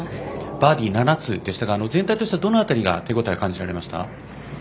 バーディー７つでしたが全体としては、どの辺りが手応えを感じられました？